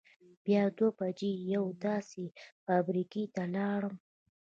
بیا دوه بجې یوې داسې فابرېکې ته لاړم.